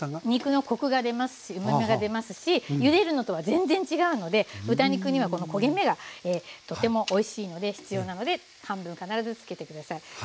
肉のコクが出ますしうまみが出ますしゆでるのとは全然違うので豚肉にはこの焦げ目がとてもおいしいので必要なので半分必ず付けて下さい。